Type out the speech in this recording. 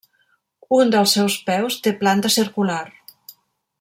Un dels seus peus té planta circular.